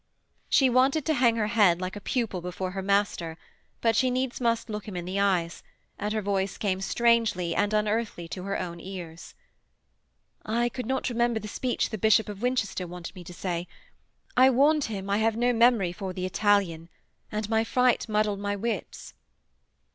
She wanted to hang her head like a pupil before her master, but she needs must look him in the eyes, and her voice came strangely and unearthly to her own ears. 'I could not remember the speech the Bishop of Winchester set me to say. I warned him I have no memory for the Italian, and my fright muddled my wits.'